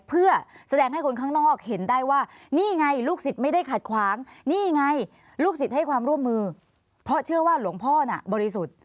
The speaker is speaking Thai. เพื่อแสดงให้คนข้างนอกเห็นได้ว่านี่ไงลูกศิษย์ไม่ได้ขัดขวางนี่ไงลูกศิษย์ให้ความร่วมมือเพราะเชื่อว่าหลวงพ่อน่ะบริสุทธิ์